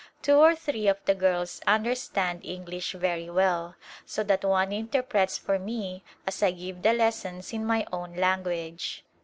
Two or three of the girls under stand English very well so that one interprets for me as I give the lessons in my own language.